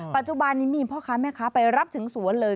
ปัจจุบันนี้มีพ่อค้าแม่ค้าไปรับถึงสวนเลย